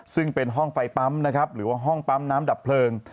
ซึ่งเป็นห้องไฟปั๊มนะครับหรือว่าห้องปั๊มน้ำดับเพลิง